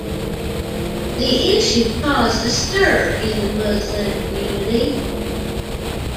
The issue caused a stir in the Muslim community.